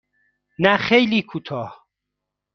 نه خیلی کوتاه.